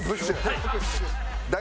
はい！